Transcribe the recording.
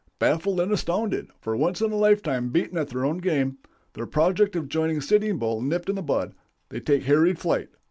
Baffled and astounded, for once in a lifetime beaten at their own game, their project of joining Sitting Bull nipped in the bud, they take hurried flight.